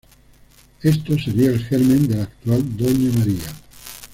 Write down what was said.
Esto sería el germen de la actual Doña María.